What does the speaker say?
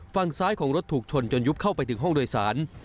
ฝั่งซ้ายของรถถูกชนจนยุบเข้าไปถึงห้องโดยสาร